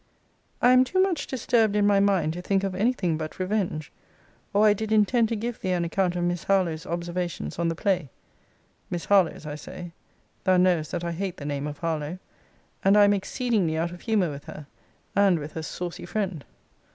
I am too much disturbed in my mind to think of any thing but revenge; or I did intend to give thee an account of Miss Harlowe's observations on the play. Miss Harlowe's I say. Thou knowest that I hate the name of Harlowe; and I am exceedingly out of humour with her, and with her saucy friend.